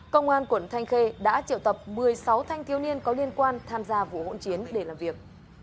công an quận thanh khê đã triệu tập một mươi sáu thanh thiếu niên có liên quan tham gia vụ hỗn chiến để làm việc